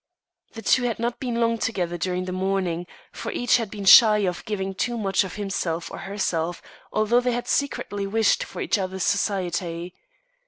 The two had not been long together during the morning, for each had been shy of giving too much of himself or herself, although they had secretly wished for each other's society.